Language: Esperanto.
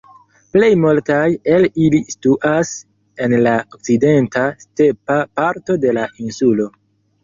Plej multaj el ili situas en la okcidenta, stepa parto de la insulo.